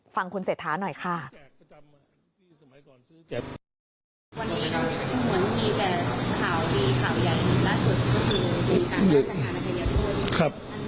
ฟังคุณเศรษฐาหน่อยค่ะ